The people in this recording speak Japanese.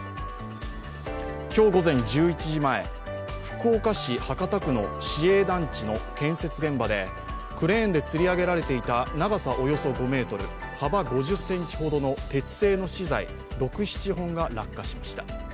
今日午前１１時前、福岡市博多区の市営団地の建設現場でクレーンでつり上げられていた長さおよそ５ｍ、幅およそ５０ｃｍほどの鉄製の資材６７本が落下しました。